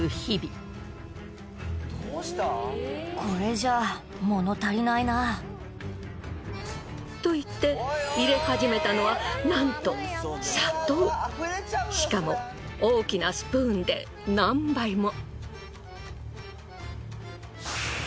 しかも甘いと言って入れ始めたのはなんとしかも大きなスプーンで何杯も。